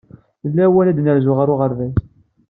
D lawan ad nerzu ɣer uɣerbaz.